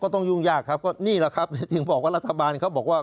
ต้องยุ่งยากครับก็นี่แหละครับถึงบอกว่ารัฐบาลเขาบอกว่า